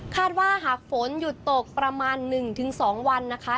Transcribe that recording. หากว่าหากฝนหยุดตกประมาณ๑๒วันนะคะ